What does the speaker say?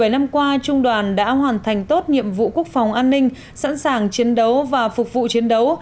một mươi năm qua trung đoàn đã hoàn thành tốt nhiệm vụ quốc phòng an ninh sẵn sàng chiến đấu và phục vụ chiến đấu